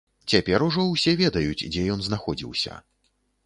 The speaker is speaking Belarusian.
Цяпер ужо ўсе ведаюць, дзе ён знаходзіўся.